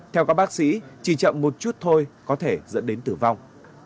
theo các bác sĩ chỉ chậm một chút thôi có thể dẫn đến tử vong